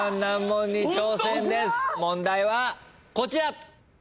問題はこちら！